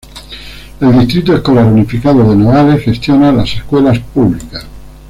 El Distrito Escolar Unificado de Nogales gestiona las escuelas públicas.